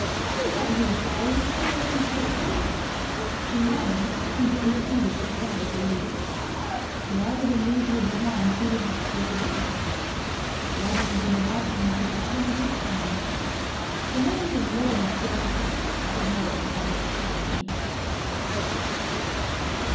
"How about you, Sally? Willing to trust me?" She nodded and Ben heaved a sigh of relief. Rather than leave her behind he would have stayed with her. Gathering them about him he outlined his plans. The men were more than skeptical but no one had any suggestions.